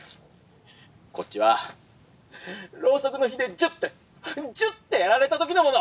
こっちはろうそくの火でジュッてジュッてやられた時のもの！